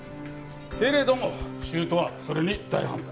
けれども姑はそれに大反対！